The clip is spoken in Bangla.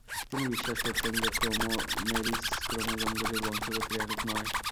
তিনি বিশ্বাস করতেন যে, ক্রোমোমেরিস ক্রোমোজমগুলির বংশগতির একক নয়।